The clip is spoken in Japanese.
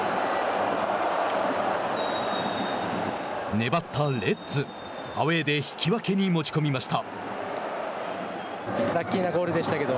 粘ったレッズアウェーで引き分けに持ち込みました。